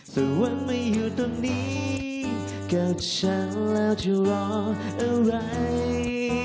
ส่วนไม่อยู่ตรงนี้กับฉันแล้วเธอรออะไร